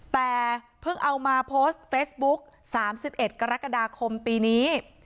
แต่เพิ่งเอามาโพสต์เฟซบุ๊ก๓๑กรกฎาคมปีนี้